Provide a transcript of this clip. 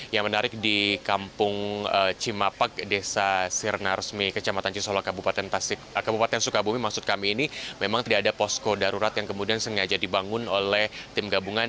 yang menarik di kampung cimapak desa sirna resmi kecamatan cisolo kabupaten sukabumi maksud kami ini memang tidak ada posko darurat yang kemudian sengaja dibangun oleh tim gabungan